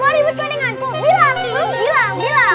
mau ribet konekanku bilang bilang bilang